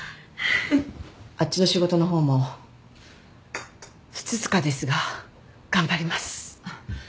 あっちの仕事の方もふつつかですが頑張ります。